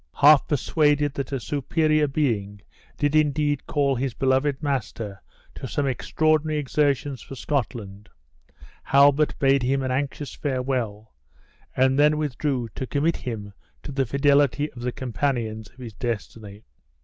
Half persuaded that a Superior Being did indeed call his beloved master to some extraordinary exertions for Scotland, Halbert bade him an anxious farewell, and then withdrew to commit him to the fidelity of the companions of his destiny.